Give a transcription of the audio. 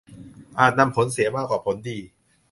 อาจนำผลเสียมากกว่าผลดี